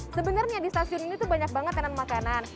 sebenarnya di stasiun ini tuh banyak banget tenan makanan